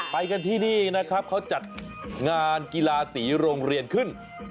ไปกันที่นี่นะครับเขาจัดงานกีฬาสีโรงเรียนขึ้น